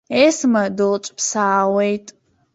Есма дылҿԥсаауеит.